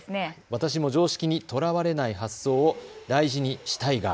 私も常識にとらわれない発想を大事にしタイガー。